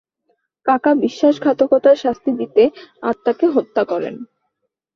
কাকা বিশ্বাসঘাতকতার শাস্তি দিতে আত্মাকে হত্যা করে।